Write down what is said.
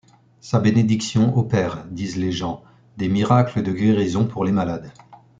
Sa bénédiction opère, disent les gens, des miracles de guérisons pour les malades.